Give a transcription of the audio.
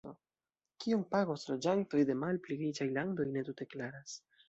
Kiom pagos loĝantoj de malpli riĉaj landoj ne tute klaras.